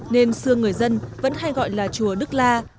nên xưa người dân vẫn hay gọi là chùa đức la